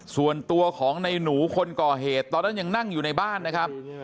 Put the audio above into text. ส่วนตัวของในหนูคนก่อเหตุตอนนั้นยังนั่งอยู่ในบ้านนะครับ